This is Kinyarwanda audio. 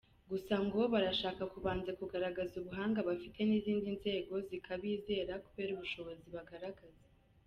Gusa ngo barashaka kubanza kugaragaza ubuhanga bafite n’izindi nzego zikazabizera kubera ubushobozi bagaragaza.